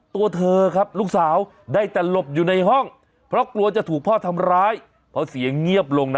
ตัวเธอครับลูกสาวได้แต่หลบอยู่ในห้องเพราะกลัวจะถูกพ่อทำร้ายเพราะเสียงเงียบลงนะ